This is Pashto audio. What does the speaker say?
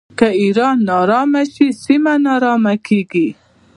که ایران ناارامه شي سیمه ناارامه کیږي.